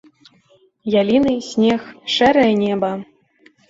Яліны, снег, шэрае неба.